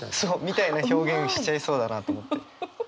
みたいな表現しちゃいそうだなと思って。